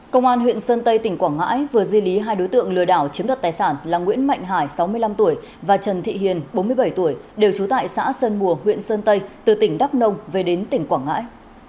công an huyện sơn tây tỉnh quảng ngãi vừa di lý hai đối tượng lừa đảo chiếm đoạt tài sản là nguyễn mạnh hải sáu mươi năm tuổi và trần thị hiền bốn mươi bảy tuổi đều trú tại xã sơn mùa huyện sơn tây từ tỉnh đắk nông về đến tỉnh quảng ngãi